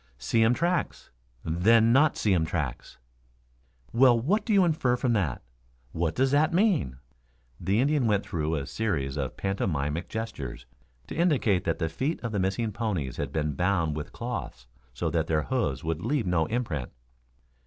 "See um tracks, then not see um tracks." "Well, what do you infer from that what does that mean?" The Indian went through a series of pantomimic gestures to indicate that the feet of the missing ponies had been bound with cloths so that their hoofs would leave no imprint.